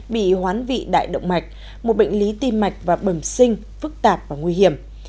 bị hoán vị đại động mạch một bệnh lý tim mạch và bẩm sinh phức tạp và nguy hiểm